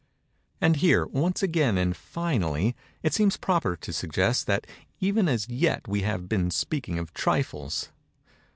And here, once again and finally, it seems proper to suggest that even as yet we have been speaking of trifles.